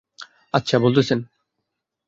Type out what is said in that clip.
আচ্ছা, বলতেসেন।